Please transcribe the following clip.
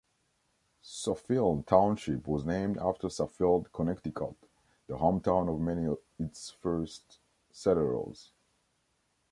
Suffield Township was named after Suffield, Connecticut, the hometown of many its first settlers.